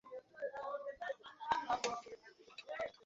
তুই প্রাপ্তবয়স্কদের মুভি দেখতে পারবি না।